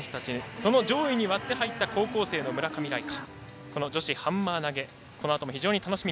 その上位たちに割って入った高校生の村上来花。